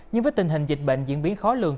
nhưng với tình hình dịch bệnh diễn biến khó lường